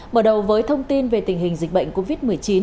mở đầu với thông tin về tình hình dịch bệnh covid một mươi chín